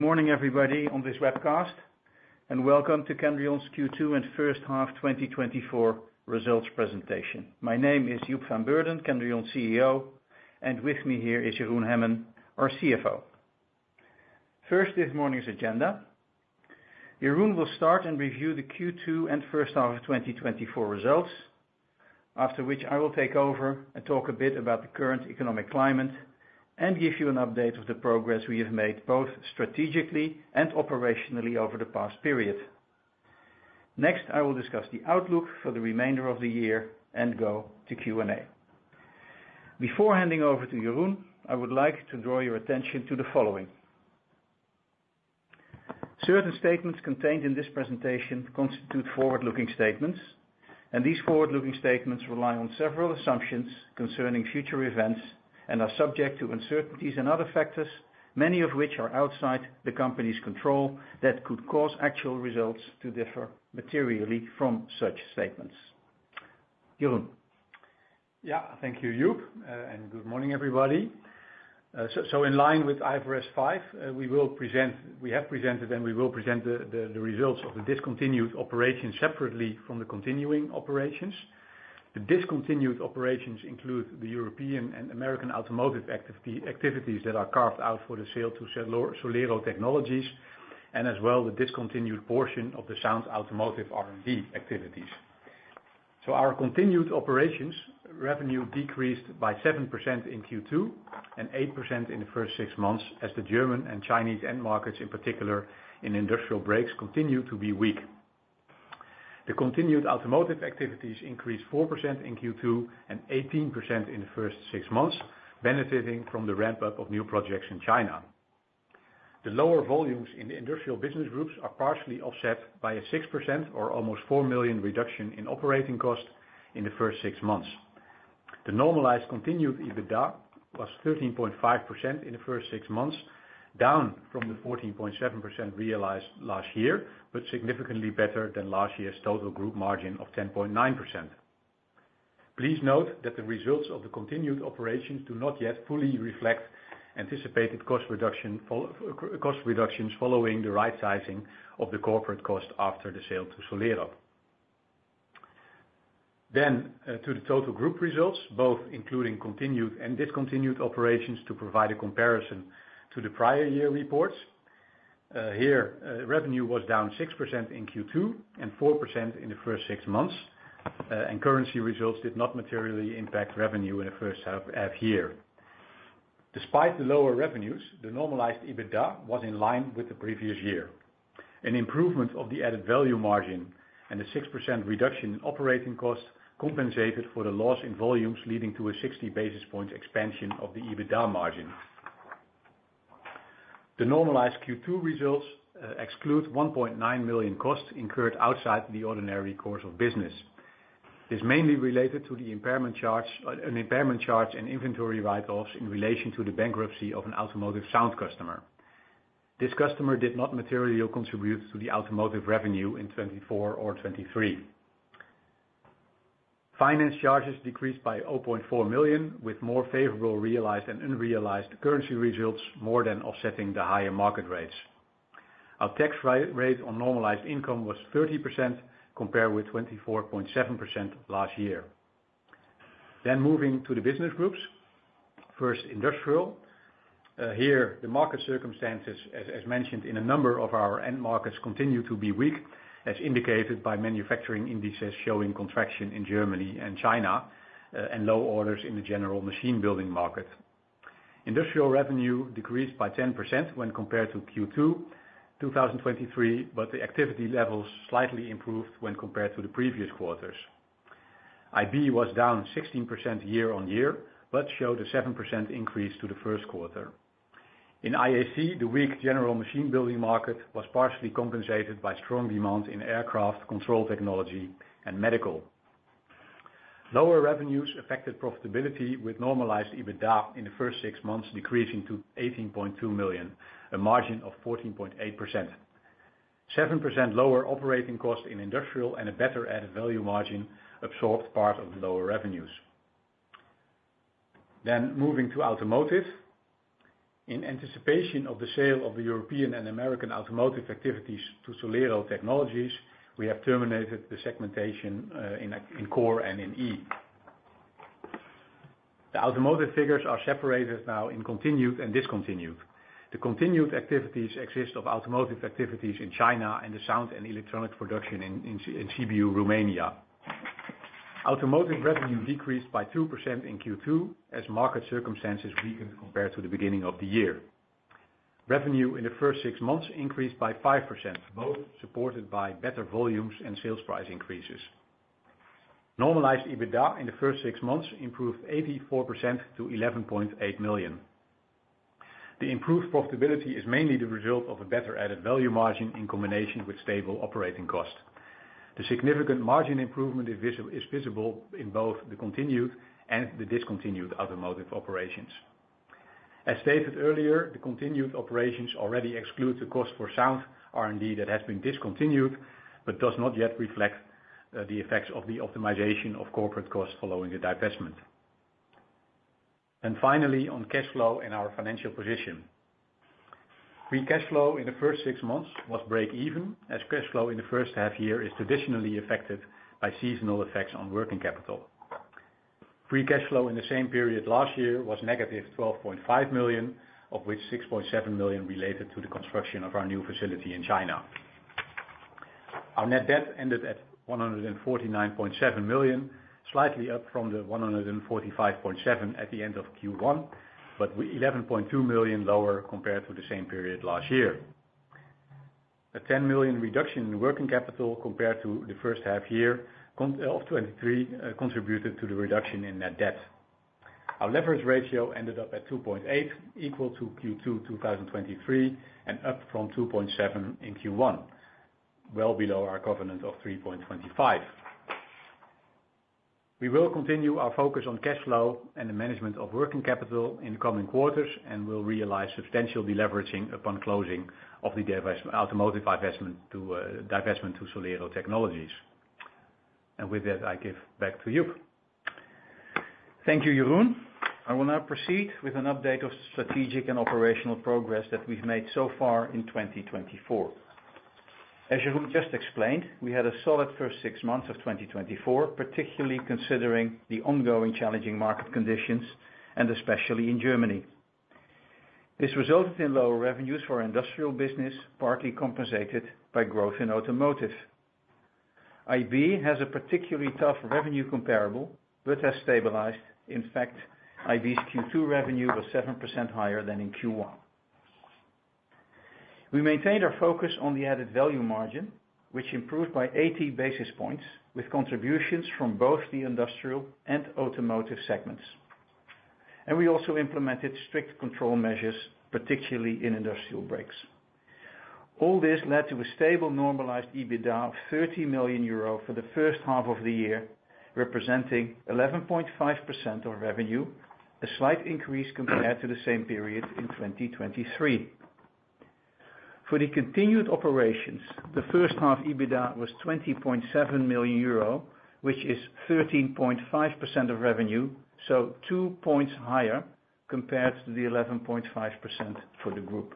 Good morning, everybody, on this webcast, and welcome to Kendrion's Q2 and First Half 2024 Results Presentation. My name is Joep van Beurden, Kendrion's CEO, and with me here is Jeroen Hemmen, our CFO. First, this morning's agenda. Jeroen will start and review the Q2 and first half of 2024 results, after which I will take over and talk a bit about the current economic climate and give you an update of the progress we have made, both strategically and operationally over the past period. Next, I will discuss the outlook for the remainder of the year and go to Q&A. Before handing over to Jeroen, I would like to draw your attention to the following: Certain statements contained in this presentation constitute forward-looking statements, and these forward-looking statements rely on several assumptions concerning future events and are subject to uncertainties and other factors, many of which are outside the company's control, that could cause actual results to differ materially from such statements. Jeroen? Yeah. Thank you, Joep, and good morning, everybody. So in line with IFRS 5, we will present, we have presented and we will present the results of the discontinued operations separately from the continuing operations. The discontinued operations include the European and American Automotive activity, activities that are carved out for the sale to Solero Technologies, and as well, the discontinued portion of the Sound Automotive R&D activities. So our continued operations revenue decreased by 7% in Q2 and 8% in the first six months, as the German and Chinese end markets, in particular in Industrial Brakes, continue to be weak. The continued Automotive activities increased 4% in Q2 and 18% in the first six months, benefiting from the ramp-up of new projects in China. The lower volumes in the Industrial Business Groups are partially offset by a 6% or almost 4 million reduction in operating costs in the first six months. The normalized continued EBITDA was 13.5% in the first six months, down from the 14.7% realized last year, but significantly better than last year's total group margin of 10.9%. Please note that the results of the continued operations do not yet fully reflect anticipated cost reductions following the right sizing of the corporate cost after the sale to Solero. Then, to the total group results, both including continued and discontinued operations to provide a comparison to the prior year reports. Revenue was down 6% in Q2 and 4% in the first six months, and currency results did not materially impact revenue in the first half either. Despite the lower revenues, the normalized EBITDA was in line with the previous year. An improvement of the added value margin and a 6% reduction in operating costs compensated for the loss in volumes, leading to a 60 basis points expansion of the EBITDA margin. The normalized Q2 results exclude 1.9 million costs incurred outside the ordinary course of business. This is mainly related to the impairment charge and inventory write-offs in relation to the bankruptcy of an Automotive Sound customer. This customer did not materially contribute to the Automotive revenue in 2024 or 2023. Finance charges decreased by 0.4 million, with more favorable realized and unrealized currency results, more than offsetting the higher market rates. Our tax rate on normalized income was 30%, compared with 24.7% last year. Then moving to the business groups. First, Industrial. Here, the market circumstances, as mentioned in a number of our end markets, continue to be weak, as indicated by manufacturing indices showing contraction in Germany and China, and low orders in the general machine building market. Industrial revenue decreased by 10% when compared to Q2 2023, but the activity levels slightly improved when compared to the previous quarters. IB was down 16% year-on-year, but showed a 7% increase to the first quarter. In IAC, the weak general machine building market was partially compensated by strong demand in aircraft, control technology, and medical. Lower revenues affected profitability, with normalized EBITDA in the first six months decreasing to 18.2 million, a margin of 14.8%. 7% lower operating costs in industrial and a better added value margin absorbed part of the lower revenues. Moving to Automotive. In anticipation of the sale of the European and American Automotive activities to Solero Technologies, we have terminated the segmentation in Core and in E. The Automotive figures are separated now in continued and discontinued. The continued activities exist of Automotive activities in China and the sound and electronic production in Sibiu, Romania. Automotive revenue decreased by 2% in Q2 as market circumstances weakened compared to the beginning of the year. Revenue in the first six months increased by 5%, both supported by better volumes and sales price increases. Normalized EBITDA in the first six months improved 84% to 11.8 million. The improved profitability is mainly the result of a better added value margin in combination with stable operating costs. The significant margin improvement is visible in both the continued and the discontinued Automotive operations. As stated earlier, the continued operations already exclude the cost for sound R&D that has been discontinued but does not yet reflect the effects of the optimization of corporate costs following the divestment. Finally, on cash flow and our financial position. Free cash flow in the first six months was breakeven, as cash flow in the first half year is traditionally affected by seasonal effects on working capital. Free cash flow in the same period last year was negative 12.5 million, of which 6.7 million related to the construction of our new facility in China. Our net debt ended at 149.7 million, slightly up from the 145.7 million at the end of Q1, but 11.2 million lower compared to the same period last year. A 10 million reduction in working capital compared to the first half year of 2023 contributed to the reduction in net debt. Our leverage ratio ended up at 2.8, equal to Q2 2023, and up from 2.7 in Q1, well below our covenant of 3.25. We will continue our focus on cash flow and the management of working capital in the coming quarters, and we'll realize substantial deleveraging upon closing of the divestment to Solero Technologies. And with that, I give back to you. Thank you, Jeroen. I will now proceed with an update of strategic and operational progress that we've made so far in 2024. As Jeroen just explained, we had a solid first six months of 2024, particularly considering the ongoing challenging market conditions, and especially in Germany. This resulted in lower revenues for our Industrial Business, partly compensated by growth in Automotive. IB has a particularly tough revenue comparable, but has stabilized. In fact, IB's Q2 revenue was 7% higher than in Q1. We maintained our focus on the added value margin, which improved by 80 basis points, with contributions from both the industrial and Automotive segments, and we also implemented strict control measures, particularly in Industrial Brakes. All this led to a stable, normalized EBITDA of 30 million euro for the first half of the year, representing 11.5% of revenue, a slight increase compared to the same period in 2023. For the continued operations, the first half EBITDA was 20.7 million euro, which is 13.5% of revenue, so two points higher compared to the 11.5% for the group.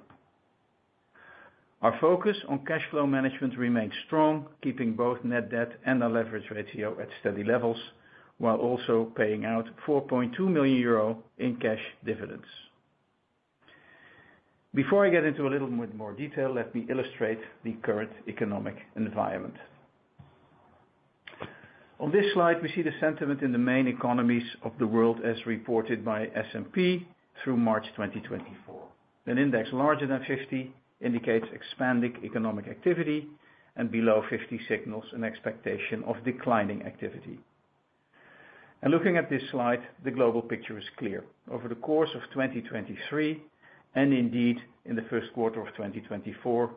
Our focus on cash flow management remains strong, keeping both net debt and our leverage ratio at steady levels, while also paying out 4.2 million euro in cash dividends. Before I get into a little bit more detail, let me illustrate the current economic environment. On this slide, we see the sentiment in the main economies of the world, as reported by S&P through March 2024. An index larger than 50 indicates expanding economic activity, and below 50 signals an expectation of declining activity. And looking at this slide, the global picture is clear. Over the course of 2023, and indeed in the first quarter of 2024,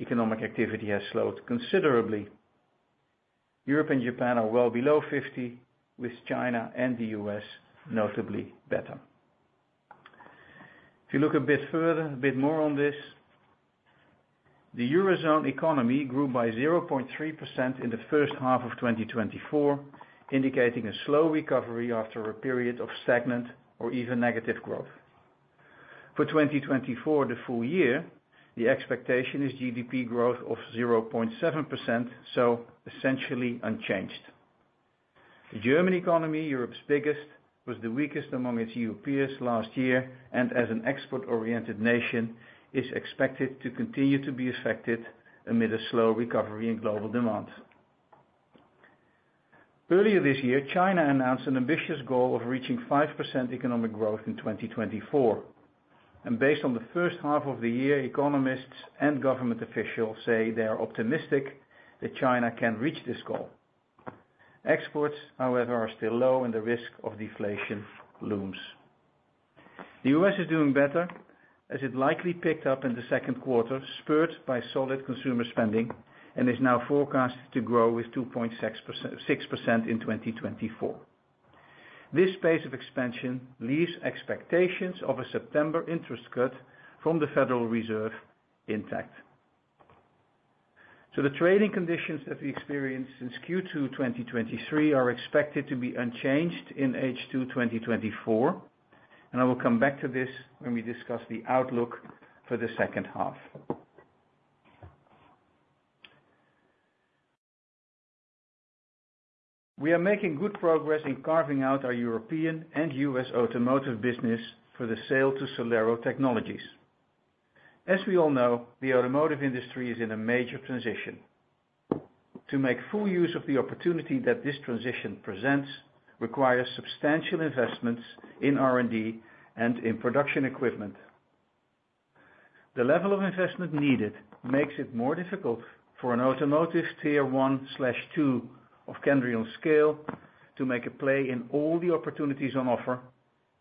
economic activity has slowed considerably. Europe and Japan are well below 50, with China and the U.S. notably better. If you look a bit further, a bit more on this, the Eurozone economy grew by 0.3% in the first half of 2024, indicating a slow recovery after a period of stagnant or even negative growth. For 2024, the full year, the expectation is GDP growth of 0.7%, so essentially unchanged. The German economy, Europe's biggest, was the weakest among its EU peers last year, and as an export-oriented nation, is expected to continue to be affected amid a slow recovery in global demand. Earlier this year, China announced an ambitious goal of reaching 5% economic growth in 2024, and based on the first half of the year, economists and government officials say they are optimistic that China can reach this goal. Exports, however, are still low and the risk of deflation looms. The U.S. is doing better, as it likely picked up in the second quarter, spurred by solid consumer spending, and is now forecasted to grow with 2.6%, 6% in 2024. This pace of expansion leaves expectations of a September interest cut from the Federal Reserve intact. So the trading conditions that we experienced since Q2 2023 are expected to be unchanged in H2 2024, and I will come back to this when we discuss the outlook for the second half. We are making good progress in carving out our European and U.S. Automotive business for the sale to Solero Technologies. As we all know, the Automotive industry is in a major transition. To make full use of the opportunity that this transition presents, requires substantial investments in R&D and in production equipment. The level of investment needed makes it more difficult for an Automotive Tier One/Two of Kendrion scale to make a play in all the opportunities on offer,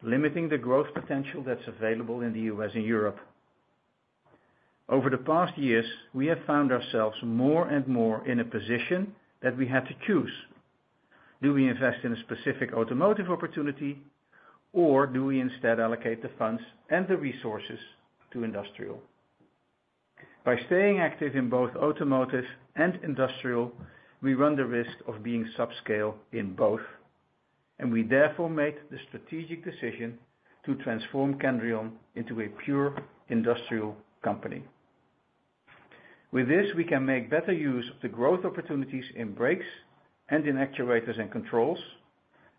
limiting the growth potential that's available in the U.S. and Europe. Over the past years, we have found ourselves more and more in a position that we had to choose: Do we invest in a specific Automotive opportunity, or do we instead allocate the funds and the resources to industrial?... By staying active in both Automotive and industrial, we run the risk of being subscale in both, and we therefore made the strategic decision to transform Kendrion into a pure industrial company. With this, we can make better use of the growth opportunities in brakes and in actuators and controls,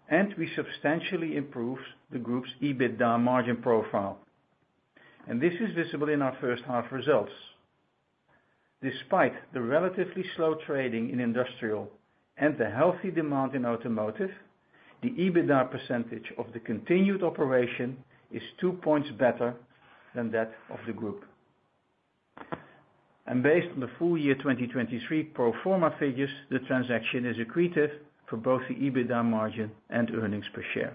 and we substantially improve the group's EBITDA margin profile. And this is visible in our first half results. Despite the relatively slow trading in industrial and the healthy demand in Automotive, the EBITDA percentage of the continued operation is two points better than that of the group. Based on the full year 2023 pro forma figures, the transaction is accretive for both the EBITDA margin and earnings per share.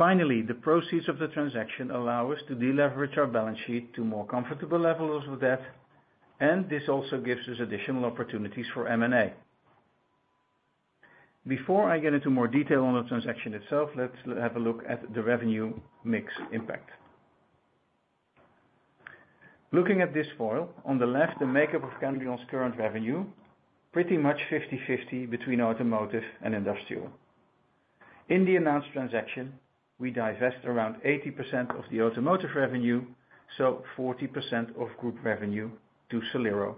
Finally, the proceeds of the transaction allow us to deleverage our balance sheet to more comfortable levels of debt, and this also gives us additional opportunities for M&A. Before I get into more detail on the transaction itself, let's have a look at the revenue mix impact. Looking at this foil, on the left, the makeup of Kendrion's current revenue, pretty much 50/50 between Automotive and industrial. In the announced transaction, we divest around 80% of the Automotive revenue, so 40% of group revenue to Solero.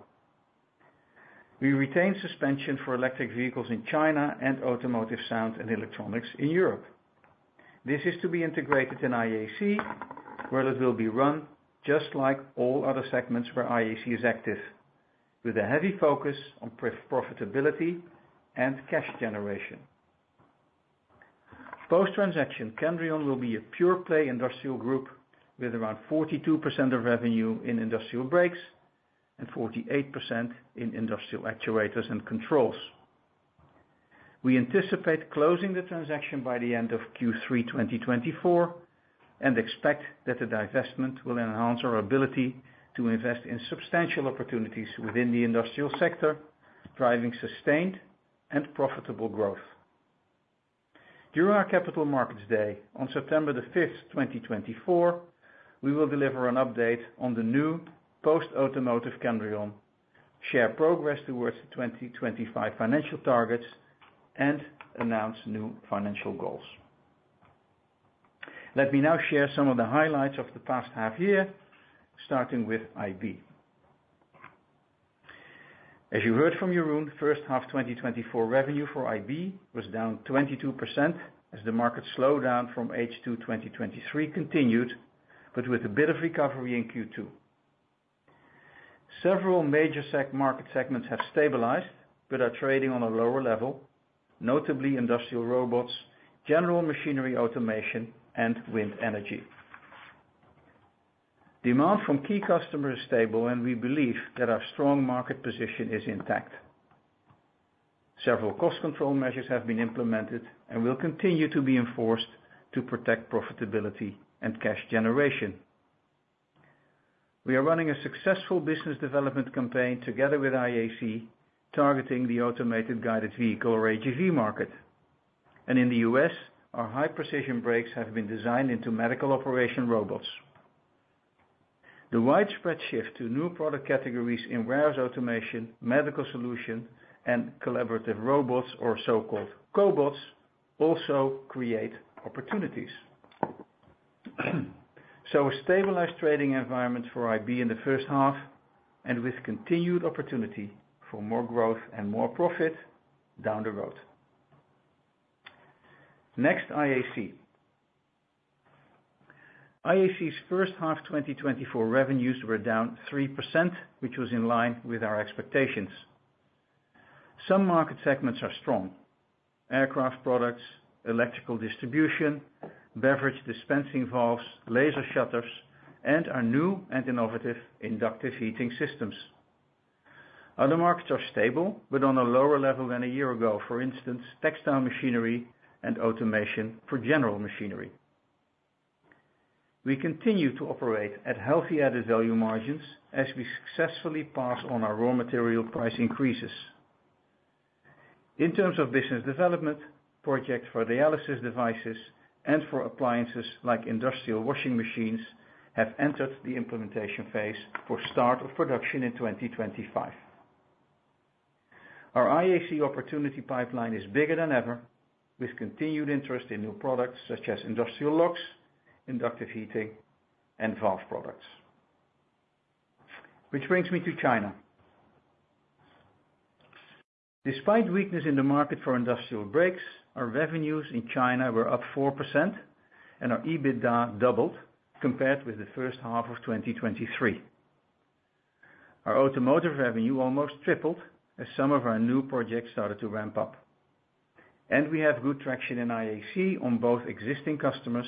We retain suspension for electric vehicles in China and Automotive Sound and Electronics in Europe. This is to be integrated in IAC, where it will be run just like all other segments where IAC is active, with a heavy focus on profitability and cash generation. Post-transaction, Kendrion will be a pure-play industrial group with around 42% of revenue in Industrial Brakes and 48% in Industrial Actuators and Controls. We anticipate closing the transaction by the end of Q3 2024 and expect that the divestment will enhance our ability to invest in substantial opportunities within the industrial sector, driving sustained and profitable growth. During our Capital Markets Day on September 5, 2024, we will deliver an update on the new post-Automotive Kendrion, share progress towards the 2025 financial targets, and announce new financial goals. Let me now share some of the highlights of the past half year, starting with IB. As you heard from Jeroen, first half 2024 revenue for IB was down 22% as the market slowdown from H2 2023 continued, but with a bit of recovery in Q2. Several major market segments have stabilized but are trading on a lower level, notably industrial robots, general machinery automation, and wind energy. Demand from key customers is stable, and we believe that our strong market position is intact. Several cost control measures have been implemented and will continue to be enforced to protect profitability and cash generation. We are running a successful business development campaign together with IAC, targeting the Automated Guided Vehicle, or AGV market. And in the U.S., our high-precision brakes have been designed into medical operation robots. The widespread shift to new product categories in warehouse automation, medical solution, and collaborative robots, or so-called cobots, also create opportunities. So a stabilized trading environment for IB in the first half, and with continued opportunity for more growth and more profit down the road. Next, IAC. IAC's first half 2024 revenues were down 3%, which was in line with our expectations. Some market segments are strong: aircraft products, electrical distribution, beverage dispensing valves, laser shutters, and our new and innovative inductive heating systems. Other markets are stable, but on a lower level than a year ago, for instance, textile machinery and automation for general machinery. We continue to operate at healthy added value margins as we successfully pass on our raw material price increases. In terms of business development, projects for dialysis devices and for appliances like industrial washing machines have entered the implementation phase for start of production in 2025. Our IAC opportunity pipeline is bigger than ever, with continued interest in new products such as industrial locks, inductive heating, and valve products. Which brings me to China. Despite weakness in the market for Industrial Brakes, our revenues in China were up 4%, and our EBITDA doubled compared with the first half of 2023. Our Automotive revenue almost tripled as some of our new projects started to ramp up, and we have good traction in IAC on both existing customers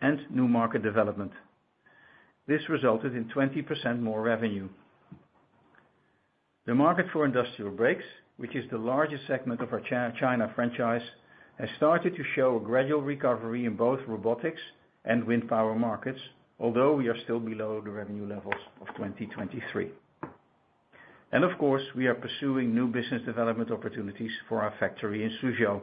and new market development. This resulted in 20% more revenue. The market for Industrial Brakes, which is the largest segment of our China franchise, has started to show a gradual recovery in both robotics and wind power markets, although we are still below the revenue levels of 2023. Of course, we are pursuing new business development opportunities for our factory in Suzhou.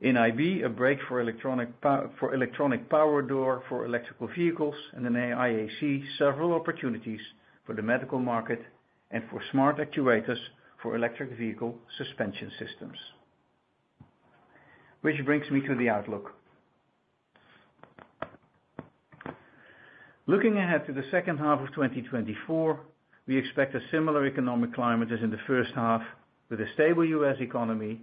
In IB, a brake for electronic power, for electronic power door for electric vehicles, and in IAC, several opportunities for the medical market and for smart actuators for electric vehicle suspension systems. Which brings me to the outlook. Looking ahead to the second half of 2024, we expect a similar economic climate as in the first half, with a stable U.S. economy,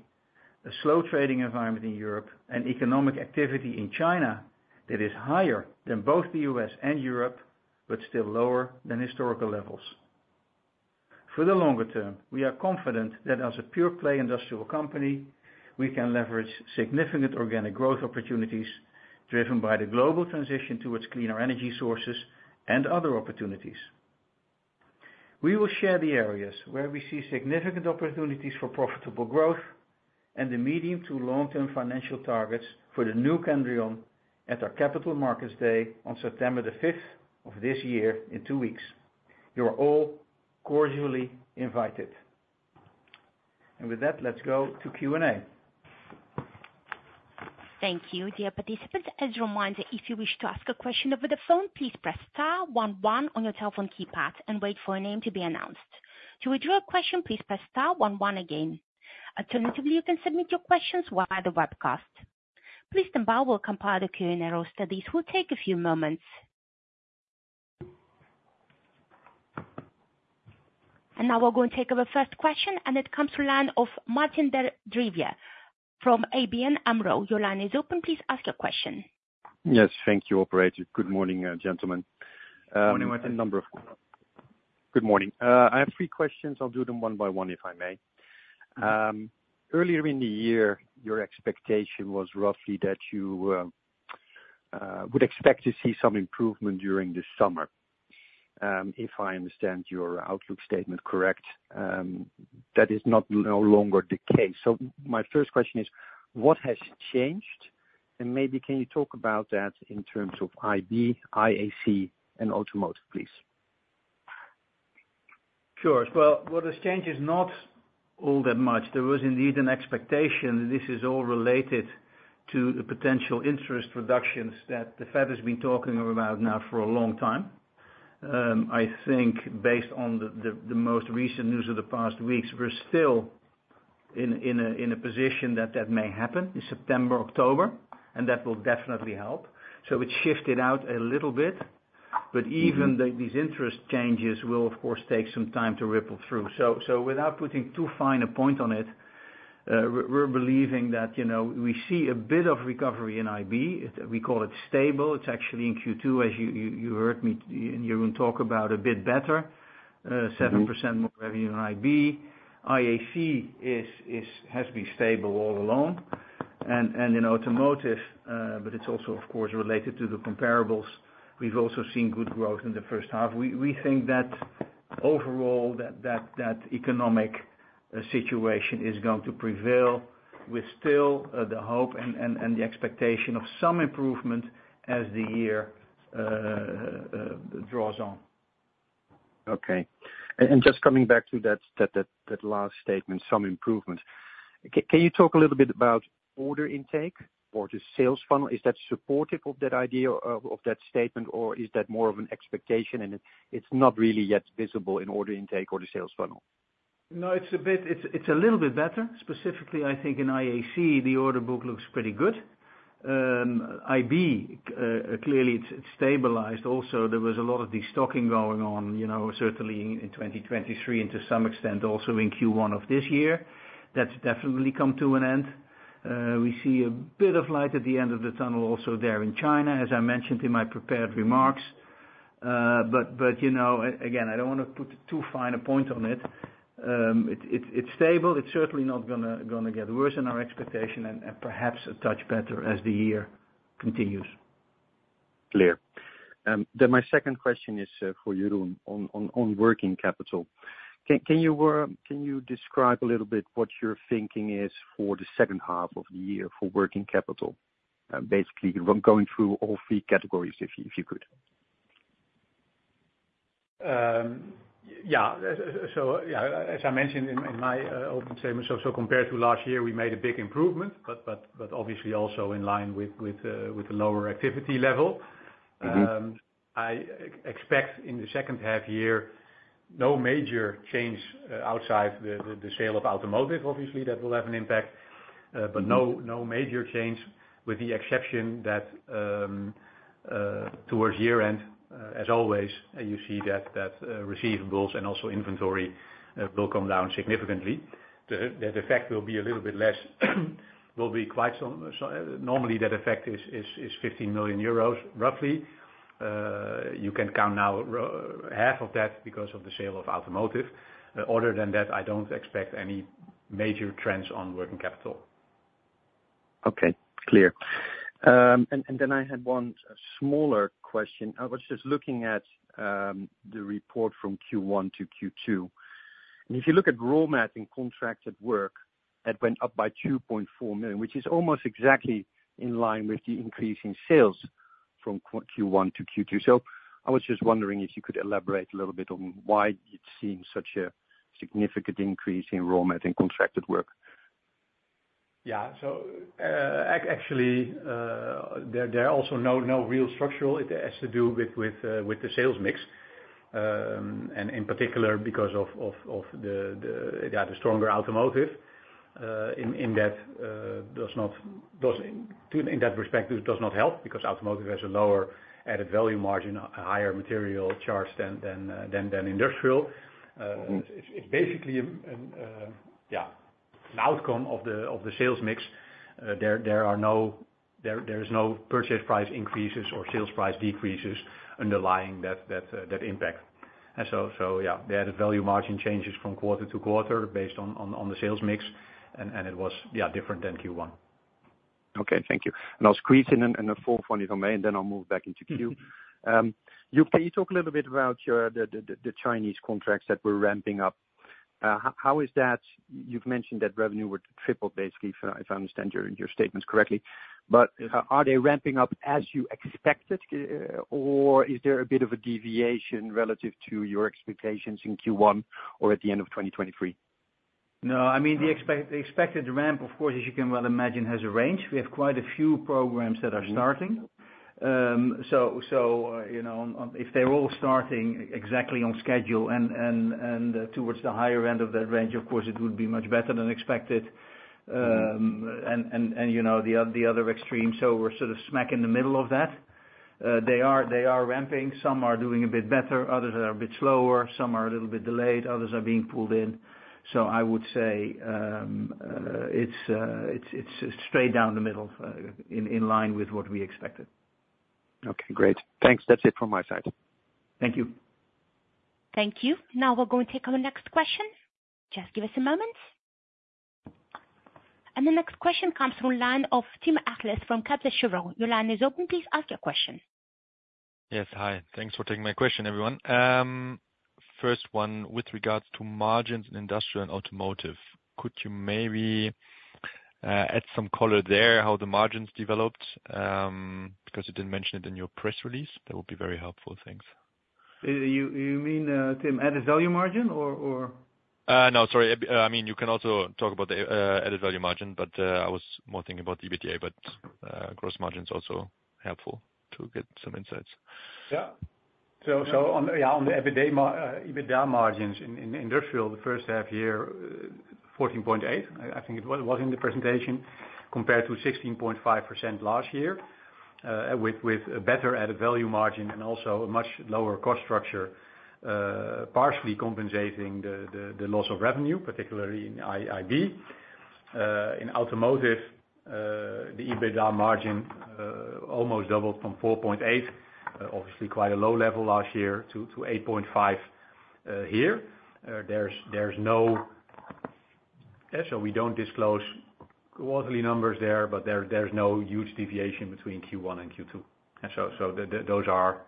a slow trading environment in Europe, and economic activity in China that is higher than both the U.S. and Europe, but still lower than historical levels. For the longer term, we are confident that as a pure-play industrial company, we can leverage significant organic growth opportunities, driven by the global transition towards cleaner energy sources and other opportunities. We will share the areas where we see significant opportunities for profitable growth and the medium to long-term financial targets for the new Kendrion at our Capital Markets Day on September 5th, of this year, in two weeks. You're all cordially invited, and with that, let's go to Q&A. Thank you, dear participants. As a reminder, if you wish to ask a question over the phone, please press star one one on your telephone keypad and wait for your name to be announced. To withdraw a question, please press star one one again. Alternatively, you can submit your questions via the webcast. Please stand by, we'll compile the Q&A roster. This will take a few moments. And now we're going to take our first question, and it comes from the line of Martijn den Drijver from ABN AMRO. Your line is open. Please ask your question. Yes, thank you, operator. Good morning, gentlemen. Good morning, Martijn. Good morning. I have three questions. I'll do them one by one, if I may. Earlier in the year, your expectation was roughly that you would expect to see some improvement during this summer. If I understand your outlook statement correct, that is not no longer the case. So my first question is: What has changed? And maybe can you talk about that in terms of IB, IAC, and Automotive, please? Sure. Well, what has changed is not all that much. There was indeed an expectation. This is all related to the potential interest reductions that the Fed has been talking about now for a long time. I think based on the most recent news of the past weeks, we're still in a position that may happen in September, October, and that will definitely help. So it's shifted out a little bit, but even these interest changes will of course take some time to ripple through. So without putting too fine a point on it, we're believing that, you know, we see a bit of recovery in IB. We call it stable. It's actually in Q2, as you heard me and Jeroen talk about a bit better, 7% more revenue in IB. IAC has been stable all along and in Automotive, but it's also, of course, related to the comparables, we've also seen good growth in the first half. We think that overall, that economic situation is going to prevail with still the hope and the expectation of some improvement as the year draws on. Okay. And just coming back to that last statement, some improvement. Can you talk a little bit about order intake or the sales funnel? Is that supportive of that idea of that statement, or is that more of an expectation and it's not really yet visible in order intake or the sales funnel? No, it's a bit... It's, it's a little bit better. Specifically, I think in IAC, the order book looks pretty good. IB, clearly it's, it's stabilized also. There was a lot of destocking going on, you know, certainly in 2023, and to some extent, also in Q1 of this year. That's definitely come to an end. We see a bit of light at the end of the tunnel also there in China, as I mentioned in my prepared remarks. But, you know, again, I don't want to put too fine a point on it. It, it's, it's stable. It's certainly not gonna get worse than our expectation and perhaps a touch better as the year continues. Clear. Then my second question is for Jeroen on working capital. Can you describe a little bit what your thinking is for the second half of the year for working capital? Basically, going through all three categories, if you could. Yeah. So yeah, as I mentioned in my opening statement, so compared to last year, we made a big improvement, but obviously also in line with the lower activity level. I expect in the second half year, no major change, outside the sale of Automotive. Obviously, that will have an impact, but no major change, with the exception that, towards year-end, as always, you see that, receivables and also inventory, will come down significantly. The effect will be a little bit less. Normally, that effect is 15 million euros, roughly. You can count now half of that because of the sale of Automotive. Other than that, I don't expect any major trends on working capital. Okay, clear. Then I had one smaller question. I was just looking at the report from Q1 to Q2. And if you look at raw material and contracts at work, that went up by 2.4 million, which is almost exactly in line with the increase in sales from Q1 to Q2. So I was just wondering if you could elaborate a little bit on why you've seen such a significant increase in raw material and contracted work? Yeah. Actually, there are also no real structural. It has to do with the sales mix. And in particular, because of the stronger Automotive, in that perspective, it does not help because Automotive has a lower added value margin, a higher material charge than industrial. It's basically, yeah, an outcome of the sales mix. There is no purchase price increases or sales price decreases underlying that impact. And so, yeah, the added value margin changes from quarter to quarter based on the sales mix, and it was, yeah, different than Q1. Okay, thank you. And I'll squeeze in a fourth one if I may, and then I'll move back into queue. Can you talk a little bit about your Chinese contracts that were ramping up? How is that? You've mentioned that revenue would triple, basically, if I understand your statements correctly. But, are they ramping up as you expected, or is there a bit of a deviation relative to your expectations in Q1 or at the end of 2023? No, I mean, the expected ramp, of course, as you can well imagine, has a range. We have quite a few programs that are starting. So, you know, if they're all starting exactly on schedule and towards the higher end of that range, of course, it would be much better than expected. And, you know, the other extreme, so we're sort of smack in the middle of that. They are ramping. Some are doing a bit better, others are a bit slower, some are a little bit delayed, others are being pulled in. So I would say, it's straight down the middle, in line with what we expected. Okay, great. Thanks. That's it from my side. Thank you. Thank you. Now, we're going to take our next question. Just give us a moment, and the next question comes from the line of Tim Ramskill from Credit Suisse. Your line is open. Please ask your question. Yes, hi. Thanks for taking my question, everyone. First one, with regards to margins in industrial and Automotive, could you maybe add some color there, how the margins developed? Because you didn't mention it in your press release. That would be very helpful. Thanks. You, you mean, Tim, Added Value Margin or, or? No, sorry. I mean, you can also talk about the added value margin, but I was more thinking about the EBITDA, but gross margin is also helpful to get some insights. Yeah. So on the EBITDA margins in industrial, the first half year, 14.8%, I think it was, in the presentation, compared to 16.5% last year, with better added value margin and also a much lower cost structure, partially compensating the loss of revenue, particularly in IB. In Automotive, the EBITDA margin almost doubled from 4.8%, obviously quite a low level last year, to 8.5% here. There's no huge deviation between Q1 and Q2. Yeah, so we don't disclose quarterly numbers there. Those are,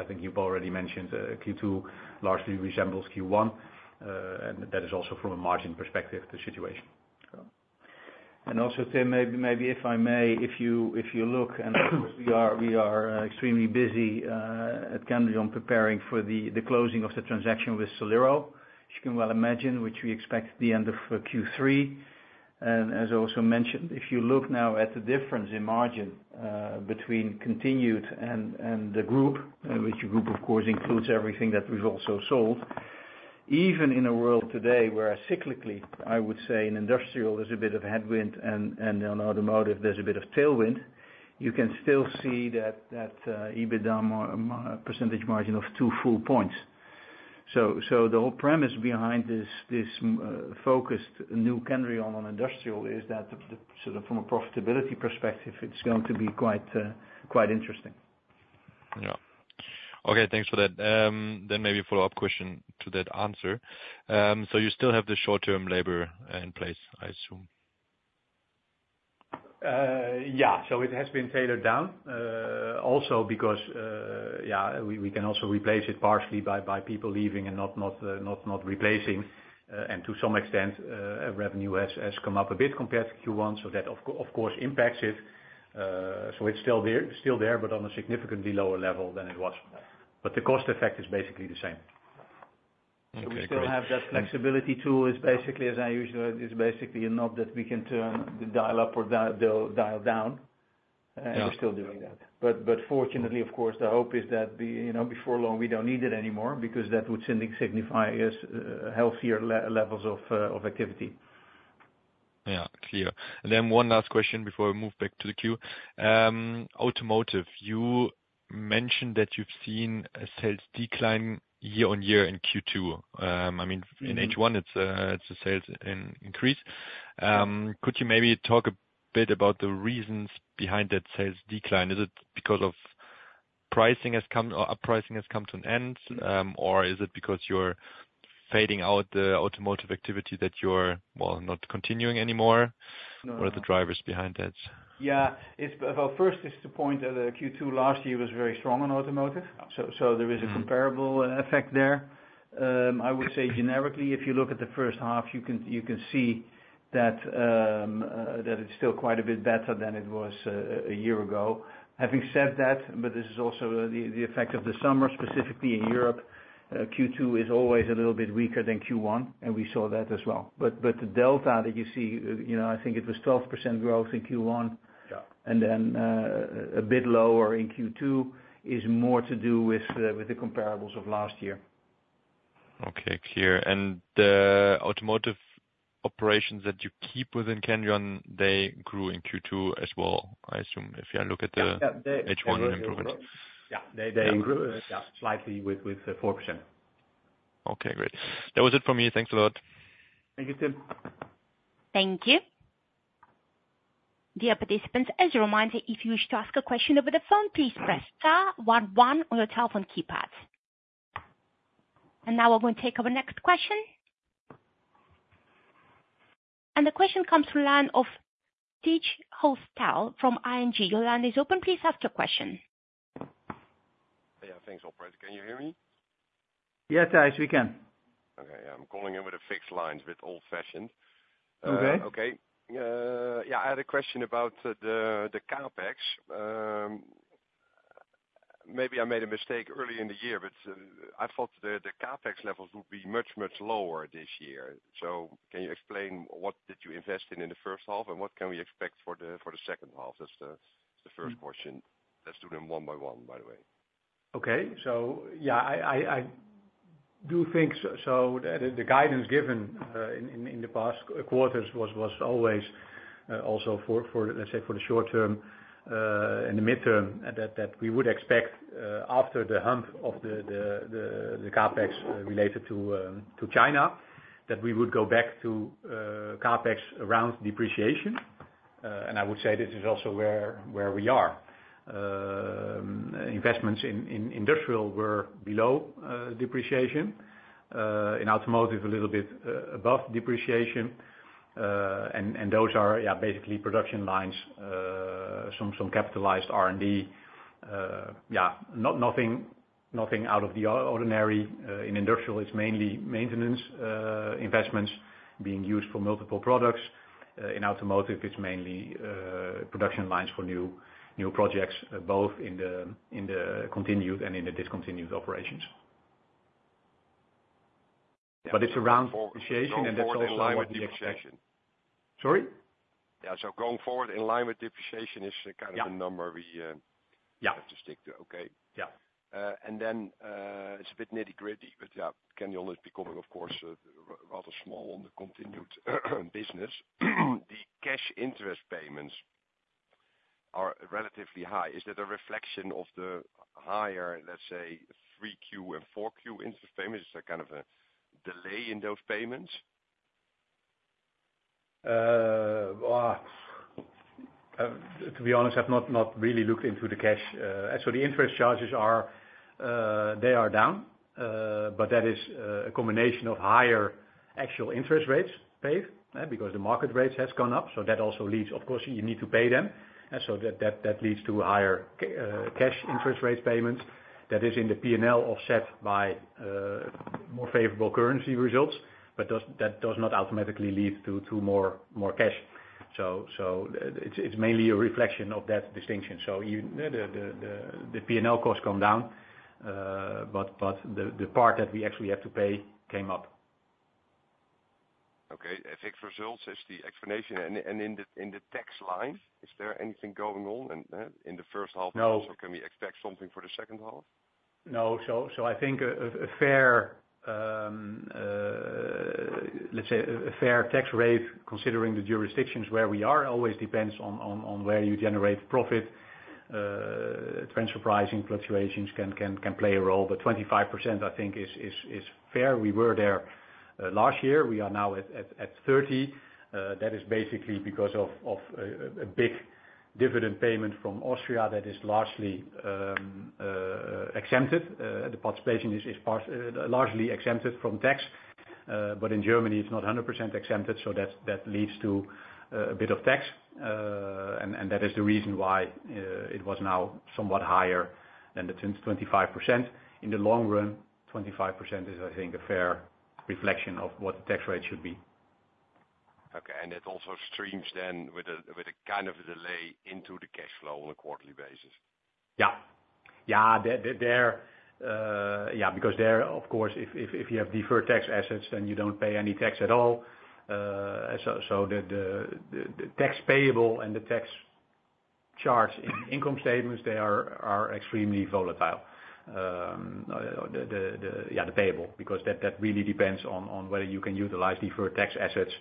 I think you've already mentioned, Q2 largely resembles Q1, and that is also from a margin perspective, the situation. And also, Tim, maybe if I may, if you look and we are extremely busy at Kendrion preparing for the closing of the transaction with Solero. As you can well imagine, which we expect the end of Q3. And as I also mentioned, if you look now at the difference in margin between continued and the group- which group, of course, includes everything that we've also sold. Even in a world today, where cyclically, I would say in industrial, there's a bit of headwind and in Automotive, there's a bit of tailwind, you can still see that EBITDA percentage margin of two full points. So the whole premise behind this focused new Kendrion on industrial is that so from a profitability perspective, it's going to be quite interesting. Yeah. Okay, thanks for that, then maybe a follow-up question to that answer, so you still have the short-term labor in place, I assume? Yeah. So it has been tailored down, also because, yeah, we can also replace it partially by people leaving and not replacing. And to some extent, revenue has come up a bit compared to Q1, so that of course impacts it. So it's still there, but on a significantly lower level than it was. But the cost effect is basically the same. Okay, great. So we still have that flexibility tool is basically. It's basically a knob that we can turn the dial up or dial down. Yeah. We're still doing that. But fortunately, of course, the hope is that, you know, before long, we don't need it anymore because that would signify healthier levels of activity. Yeah, clear, and then one last question before we move back to the queue. Automotive, you mentioned that you've seen a sales decline year-on-year in Q2. I mean- In H1, it's a sales increase. Could you maybe talk a bit about the reasons behind that sales decline? Is it because of pricing has come, or up pricing has come to an end? Or is it because you're fading out the Automotive activity that you're not continuing anymore? No. What are the drivers behind that? Yeah, it's well, first is to point out that Q2 last year was very strong on Automotive. So there is a- comparable effect there. I would say generically, if you look at the first half, you can see that it's still quite a bit better than it was a year ago. Having said that, but this is also the effect of the summer, specifically in Europe. Q2 is always a little bit weaker than Q1, and we saw that as well, but the delta that you see, you know, I think it was 12% growth in Q1- Yeah... and then a bit lower in Q2 is more to do with the comparables of last year. Okay, clear, and the Automotive operations that you keep within Kendrion, they grew in Q2 as well, I assume, if I look at the- Yeah, they- H1 improvement. Yeah. They grew, yeah, slightly with 4%. Okay, great. That was it for me. Thanks a lot. Thank you, Tim. Thank you. Dear participants, as a reminder, if you wish to ask a question over the phone, please press star one one on your telephone keypad. And now I'm going to take our next question. And the question comes from line of Thijs Hoste from ING. Your line is open, please ask your question. Yeah, thanks, operator. Can you hear me? Yes, Thijs, we can. Okay. I'm calling in with the fixed lines, a bit old-fashioned. Okay. Okay. Yeah, I had a question about the CapEx. Maybe I made a mistake early in the year, but I thought the CapEx levels would be much, much lower this year. So can you explain what did you invest in the first half, and what can we expect for the second half? That's the first question. Let's do them one by one, by the way. Okay. So yeah, I do think so. The guidance given in the past quarters was always also for, let's say, the short term and the mid-term, that we would expect after the hump of the CapEx related to China, that we would go back to CapEx around depreciation, and I would say this is also where we are. Investments in industrial were below depreciation. In Automotive, a little bit above depreciation. Those are basically production lines, some capitalized R&D. Yeah, nothing out of the ordinary. In industrial, it's mainly maintenance investments being used for multiple products. In Automotive, it's mainly production lines for new projects, both in the continuing and in the discontinued operations. But it's around depreciation, and that's in line with the expectation. Depreciation. Sorry? Yeah, so going forward, in line with depreciation is kind of- Yeah... the number we Yeah... have to stick to. Okay. Yeah. And then, it's a bit nitty-gritty, but yeah, can you only speak on, of course, rather small on the continued business. The cash interest payments are relatively high. Is that a reflection of the higher, let's say, three Q and four Q interest payments? Is there kind of a delay in those payments? To be honest, I've not really looked into the cash. So the interest charges are, they are down, but that is a combination of higher actual interest rates paid, because the market rates has gone up. So that also leads. Of course, you need to pay them, and so that leads to higher cash interest rate payments. That is in the P&L, offset by more favorable currency results, but that does not automatically lead to more cash. So it's mainly a reflection of that distinction. So the P&L costs come down, but the part that we actually have to pay came up. Okay. I think results is the explanation. And in the tax line, is there anything going on in that, in the first half? No. Also, can we expect something for the second half? No. So I think a fair, let's say, tax rate, considering the jurisdictions where we are, always depends on where you generate profit. Transfer pricing fluctuations can play a role, but 25%, I think, is fair. We were there last year. We are now at 30%. That is basically because of a big dividend payment from Austria that is largely exempted. The participation is largely exempted from tax, but in Germany, it's not 100% exempted, so that leads to a bit of tax, and that is the reason why it was now somewhat higher than the 25%. In the long run, 25% is, I think, a fair reflection of what the tax rate should be. Okay, and it also streams then with a kind of a delay into the cash flow on a quarterly basis? Yeah. Yeah, because there, of course, if you have deferred tax assets, then you don't pay any tax at all. So, the tax payable and the tax charged in income statements, they are extremely volatile. The payable, because that really depends on whether you can utilize deferred tax assets,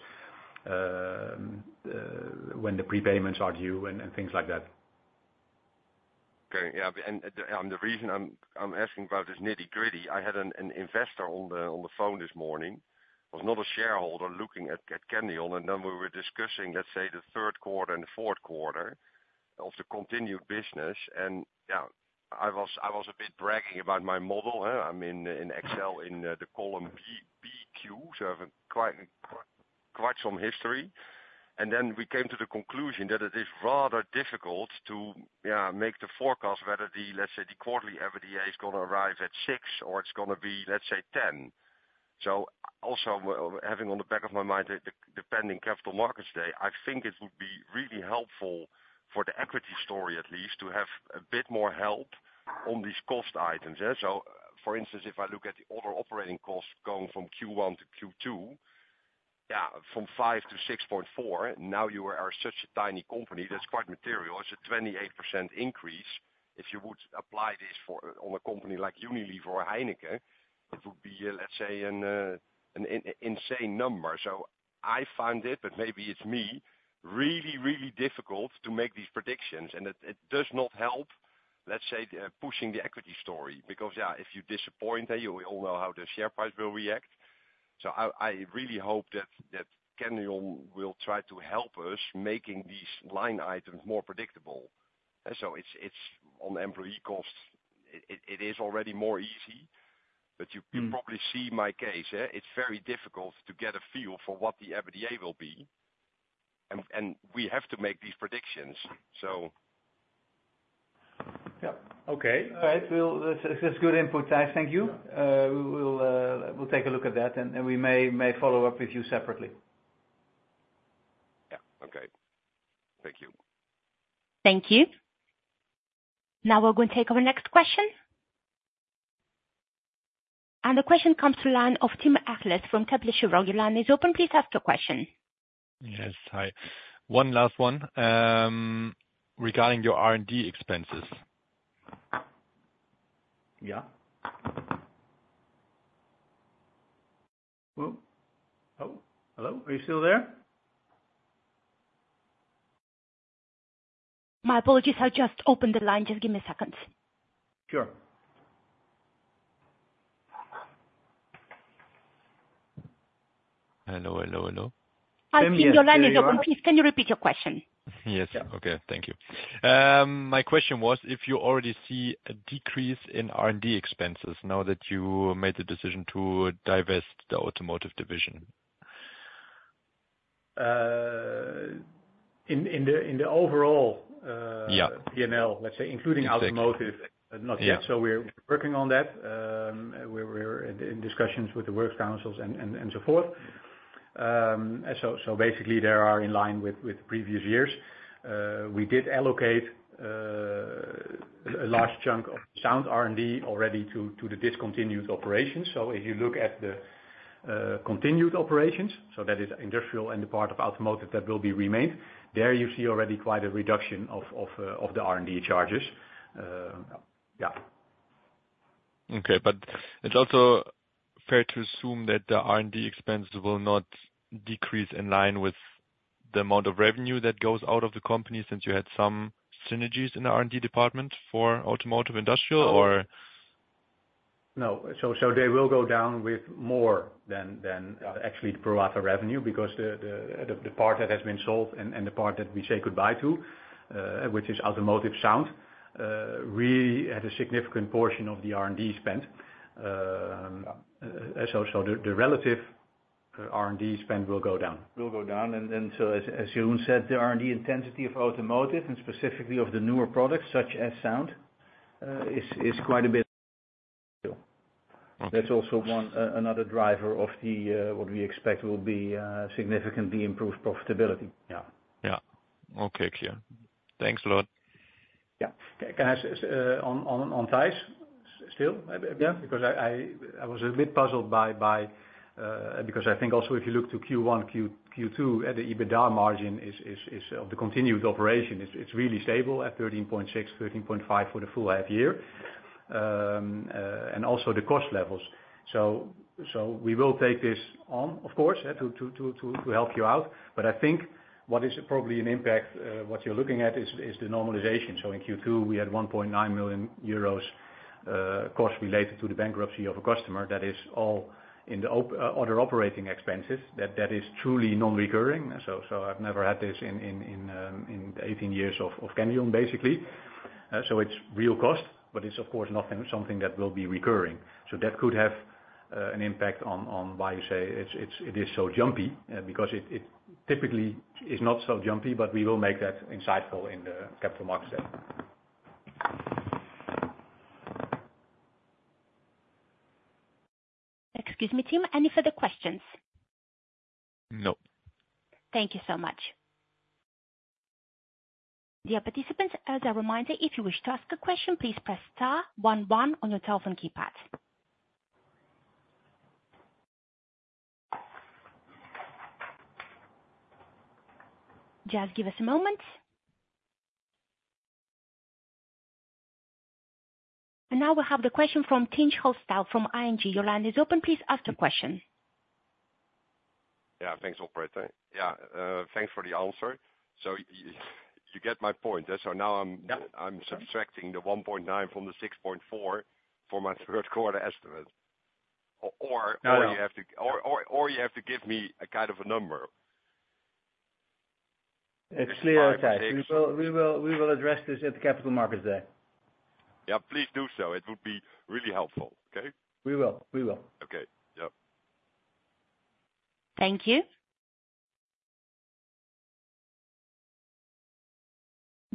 when the prepayments are due and things like that. Okay, yeah. The reason I'm asking about this nitty-gritty, I had an investor on the phone this morning who was not a shareholder looking at Kendrion, and then we were discussing, let's say, the third quarter and the fourth quarter of the continued business. And, yeah, I was a bit bragging about my model. I'm in Excel in the column BBQ, so I have quite some history. And then we came to the conclusion that it is rather difficult to make the forecast whether the, let's say, the quarterly EBITDA is gonna arrive at six or it's gonna be, let's say, 10. So also, having on the back of my mind the pending Capital Markets Day, I think it would be really helpful for the equity story, at least, to have a bit more help on these cost items, eh? So for instance, if I look at the other operating costs going from Q1 to Q2, yeah, from five to 6.4, now you are such a tiny company, that's quite material. It's a 28% increase. If you would apply this for, on a company like Unilever or Heineken, it would be, let's say, an insane number. So I find it, but maybe it's me, really, really difficult to make these predictions, and it does not help, let's say, pushing the equity story. Because, yeah, if you disappoint, eh, we all know how the share price will react. So I really hope that Kendrion will try to help us making these line items more predictable. And so it's on employee costs, it is already more easy, but you- Probably see my case, eh? It's very difficult to get a feel for what the EBITDA will be, and we have to make these predictions, so... Yeah. Okay. All right, we'll... That's, that's good input, Thijs. Thank you. We will, we'll take a look at that and we may follow up with you separately. Yeah. Okay. Thank you. Thank you. Now we're going to take our next question. The question comes from the line of Tim Ramskill from Credit Suisse. Your line is open, please ask your question. Yes, hi. One last one. Regarding your R&D expenses. Yeah. Well... Oh, hello? Are you still there? My apologies, I just opened the line. Just give me a second. Sure. Hello, hello, hello? Hi, Tim. Your line is open. Yeah, you are- Please, can you repeat your question? Yes. Okay, thank you. My question was if you already see a decrease in R&D expenses now that you made the decision to divest the Automotive division? In the overall, Yeah... P&L, let's say, including Automotive- Yeah. Not yet. So we're working on that. We're in discussions with the work councils and so forth. So basically they are in line with previous years. We did allocate a large chunk of sound R&D already to the discontinued operations. So if you look at the continued operations, that is industrial and the part of Automotive that will be remained, there you see already quite a reduction of the R&D charges. Yeah. Okay. But it's also fair to assume that the R&D expense will not decrease in line with the amount of revenue that goes out of the company, since you had some synergies in the R&D department for Automotive, industrial, or? No. So they will go down with more than actually the pro rata revenue, because the part that has been sold and the part that we say goodbye to, which is Automotive sound, really had a significant portion of the R&D spend. So the relative R&D spend will go down. Will go down, and then so as Jeroen said, the R&D intensity of Automotive and specifically of the newer products such as sound, is quite a bit. Okay. That's also one... another driver of the, what we expect will be, significantly improved profitability. Yeah. Yeah. Okay, clear. Thanks a lot. Yeah. Can I on Thijs, still, maybe, yeah? Because I was a bit puzzled by. Because I think also if you look to Q1, Q2, at the EBITDA margin is of the continued operation, it's really stable at 13.6, 13.5 for the full half year. And also the cost levels. So we will take this on, of course, to help you out. But I think what is probably an impact, what you're looking at is the normalization. So in Q2, we had 1.9 million euros costs related to the bankruptcy of a customer. That is all in the other operating expenses, that is truly non-recurring. So I've never had this in 18 years of Kendrion, basically. So it's real cost, but it's of course nothing, something that will be recurring. So that could have an impact on why you say it's so jumpy, because it typically is not so jumpy, but we will make that insightful in the Capital Markets Day. Excuse me, Tim, any further questions? No. Thank you so much. Dear participants, as a reminder, if you wish to ask a question, please press star one one on your telephone keypad. Just give us a moment, and now we have the question from Thijs Hoste, from ING. Your line is open, please ask the question. Yeah. Thanks, operator. Yeah, thanks for the answer. So you get my point. And so now I'm- Yeah. I'm subtracting the 1.9 from the 6.4 for my third quarter estimate. Yeah... Or you have to give me a kind of a number. It's clear, Thijs. Five, six- We will address this at the Capital Markets Day. Yeah, please do so. It would be really helpful, okay? We will. We will. Okay. Yeah. Thank you.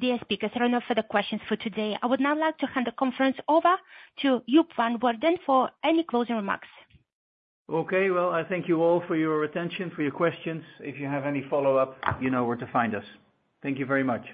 Dear speakers, there are no further questions for today. I would now like to hand the conference over to Joep van Beurden for any closing remarks. Okay. Well, I thank you all for your attention, for your questions. If you have any follow-up, you know where to find us. Thank you very much.